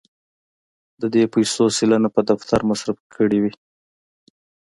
د دې پیسو سلنه په دفتر مصرف کړې وې.